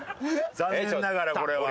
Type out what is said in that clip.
残念ながらこれは。